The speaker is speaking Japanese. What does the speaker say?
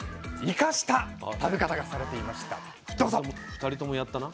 ２人ともやったな。